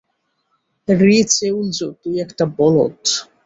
রি চেউল জু, তুই একটা বলদ!